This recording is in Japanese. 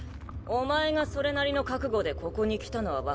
お前がそれなりの覚悟でここに来たのは分かった。